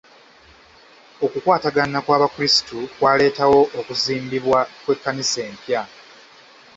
Okukwatagana kw'abakrisitu kwaleetawo okuzimbibwa kw'ekkanisa empya.